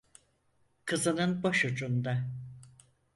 Kızının başucunda...